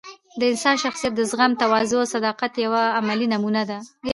د استاد شخصیت د زغم، تواضع او صداقت یوه عملي نمونه ده.